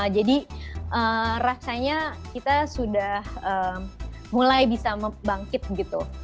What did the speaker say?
jadi rasanya kita sudah mulai bisa membangkit gitu